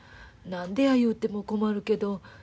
何でや言うても困るけど。